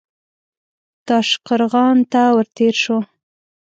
تاشقرغان ته ور تېر شو.